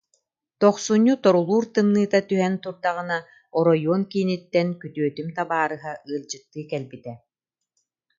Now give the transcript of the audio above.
Тохсунньу торулуур тымныыта түһэн турдаҕына оройуон кииниттэн күтүөтүм табаарыһа ыалдьыттыы кэлбитэ